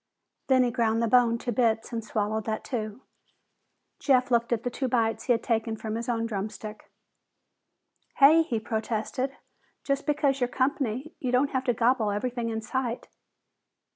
Then he ground the bone to bits and swallowed that too. Jeff looked at the two bites he had taken from his own drumstick. "Hey!" he protested. "Just because you're company, you don't have to gobble everything in sight!"